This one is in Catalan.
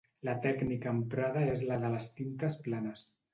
La tècnica emprada és la de les tintes planes.